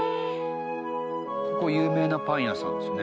ここ有名なパン屋さんですね。